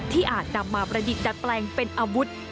อาจนำมาประดิษฐ์ดัดแปลงเป็นอาวุธ